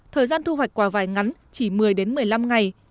thời gian thu hoạch quả vải ngắn chỉ một mươi đến một mươi năm ngày